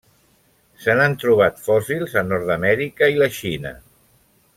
Se n'han trobat fòssils a Nord-amèrica i la Xina.